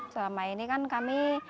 selama ini kan kami